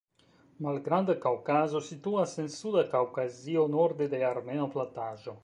Malgranda Kaŭkazo situas en Suda Kaŭkazio, norde de Armena plataĵo.